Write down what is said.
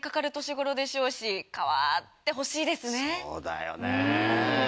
そうだよね。